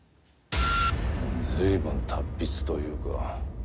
随分達筆というか。